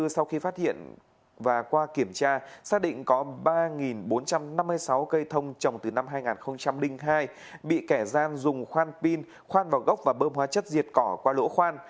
sau khi phát hiện và qua kiểm tra xác định có ba bốn trăm năm mươi sáu cây thông trồng từ năm hai nghìn hai bị kẻ gian dùng khoan pin khoan vào gốc và bơm hóa chất diệt cỏ qua lỗ khoan